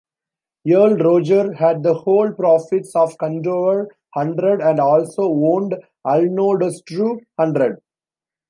Earl Roger had the whole profits of Condover hundred and also owned Alnodestreu hundred.